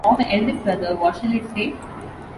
Of my eldest brother what shall I say?